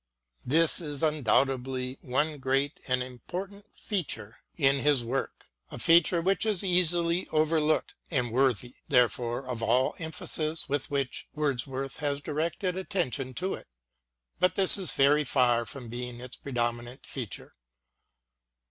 This is undoubtedly one great and important feature in io8 WORDSWORTH AS A TEACHER his work, a feature which is easily overlooked and worthy, therefore, of all the emphasis with which Wordsworth has directed attention to it. But this is very far from being its predominant feature.